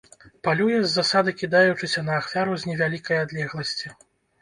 Палюе з засады кідаючыся на ахвяру з невялікай адлегласці.